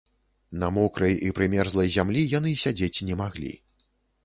На мокрай і прымерзлай зямлі яны сядзець не маглі.